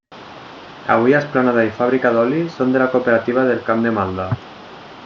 Avui esplanada i fàbrica d'oli són de la Cooperativa del Camp de Maldà.